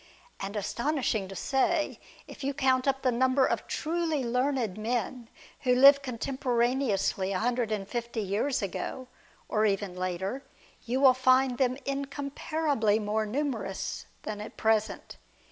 _ And, astonishing to say, if you count up the number of truly learned men who lived contemporaneously a hundred and fifty years ago, or even later, you will find them incomparably more numerous thaii at present.